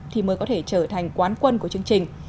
thì mới có thể trở thành quán quân của chương trình